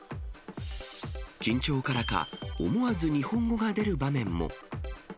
緊張からか、思わず日本語が出る場面も。